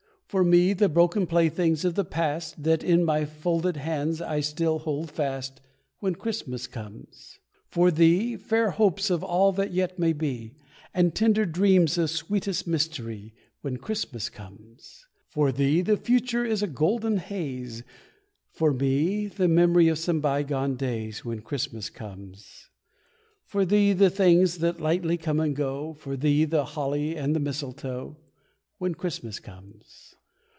For me, the broken playthings of the past That in my folded hands I still hold fast, When Christmas comes. For thee, fair hopes of all that yet may be, And tender dreams of sweetest mystery, When Christmas comes. For thee, the future in a golden haze, For me, the memory of some bygone days, When Christmas comes. For thee, the things that lightly come and go, For thee, the holly and the mistletoe, When Christmas comes.